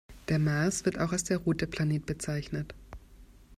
Der Mars wird auch als der „rote Planet“ bezeichnet.